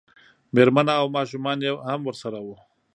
مېرمنه او ماشومان یې هم ورسره وو.